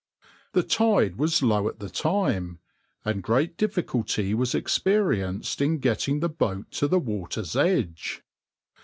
The tide was low at the time, and great difficulty was experienced in getting the boat to the water's edge.